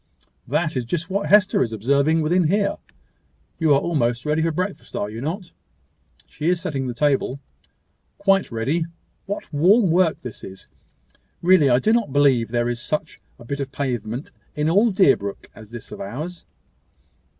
"That is just what Hester is observing within here. You are almost ready for breakfast, are you not? She is setting the table." "Quite ready. What warm work this is! Really I do not believe there is such a bit of pavement in all Deerbrook as this of ours."